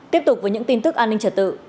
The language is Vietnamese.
tiếp tục với những tin tức an ninh trật tự